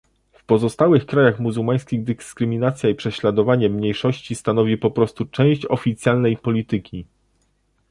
W pozostałych krajach muzułmańskich dyskryminacja i prześladowanie mniejszości stanowi po prostu część oficjalnej polityki